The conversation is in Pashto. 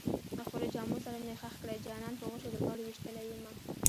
خپلو جامو سره مې خښ کړئ جانان په غشو د بڼو ويشتلی يمه